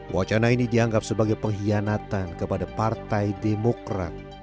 wacana ini dianggap sebagai pengkhianatan kepada partai demokrat